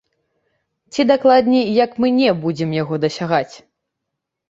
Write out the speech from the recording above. Ці, дакладней, як мы не будзем яго дасягаць.